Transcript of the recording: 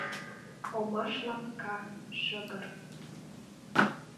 Омаш лапка, шыгыр.